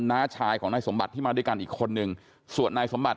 น้าชายของนายสมบัติที่มาด้วยกันอีกคนนึงส่วนนายสมบัติ